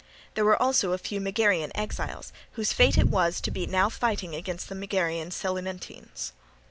There were also a few Megarian exiles, whose fate it was to be now fighting against the Megarian Selinuntines.